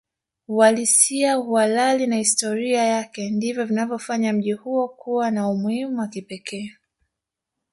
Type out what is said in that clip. Uhalisia uhalali na historia yake ndivyo vinafanya mji huo kuwa na umuhimu wa kipekee